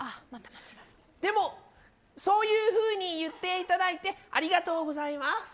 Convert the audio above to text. でも、そういうふうに言っていただいてありがとうございます。